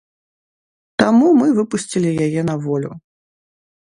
Таму мы выпусцілі яе на волю.